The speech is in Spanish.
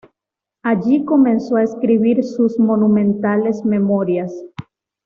Allí comenzó a escribir sus monumentales Memorias.